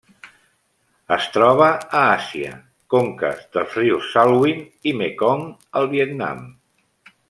Es troba a Àsia: conques dels rius Salween i Mekong al Vietnam.